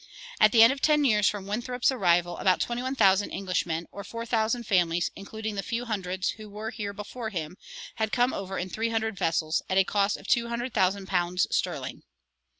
"At the end of ten years from Winthrop's arrival about twenty one thousand Englishmen, or four thousand families, including the few hundreds who were here before him, had come over in three hundred vessels, at a cost of two hundred thousand pounds sterling."